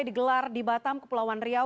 digelar di batam kepulauan riau